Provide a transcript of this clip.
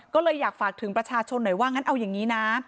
ก็เลยอยากฝากถึงประชาชนหน่อยว่างั้นเอาอย่างนี้นะ